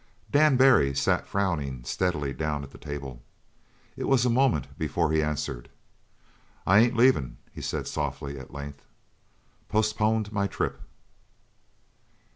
Dan Barry sat frowning steadily down at the table. It was a moment before he answered. "I ain't leavin," he said softly, at length, "postponed my trip."